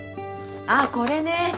ああこれね。